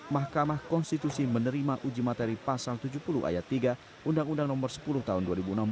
mahkamah konstitusi menerima uji materi pasal tujuh puluh ayat tiga undang undang nomor sepuluh tahun dua ribu enam belas